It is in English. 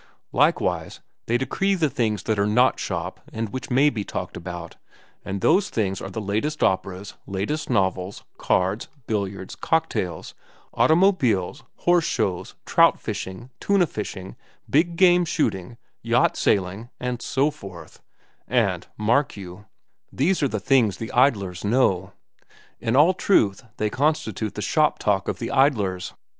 Likewise they decree the things that are not shop and which may be talked about, and those things are the latest operas, latest novels, cards, billiards, cocktails, automobiles, horse shows, trout fishing, tuna fishing, big game shooting, yacht sailing, and so forth—and mark you, these are the things the idlers know. In all truth, they constitute the shop talk of the idlers.